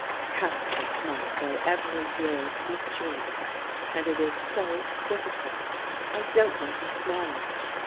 We have to go to Moscow every year to be treated. And it is so difficult. I don't know how to manage.